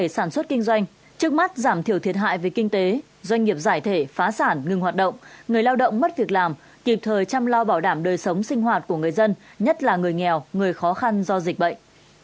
sản xuất kinh doanh trước mắt giảm thiểu thiệt hại về kinh tế doanh nghiệp giải thể phá sản ngừng hoạt động người lao động mất việc làm kịp thời chăm lo bảo đảm đời sống sinh hoạt của người dân nhất là người nghèo người khó khăn do dịch bệnh